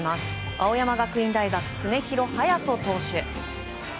青山学院大学常廣羽也斗投手。